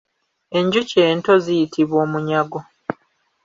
Enjuki ento ziyitibwa Omunyago.